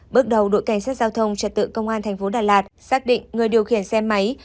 bước đầu đội cảnh sát giao thông trật tự công an thành phố đà lạt xác định người điều khiển xe máy